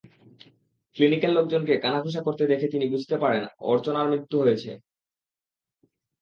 ক্লিনিকের লোকজনকে কানাঘুষা করতে দেখে তিনি বুঝতে পারেন, অর্চনার মৃত্যু হয়েছে।